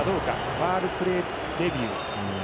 ファウルプレーレビュー。